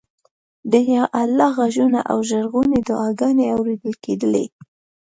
د یا الله غږونه او ژړغونې دعاګانې اورېدل کېدلې.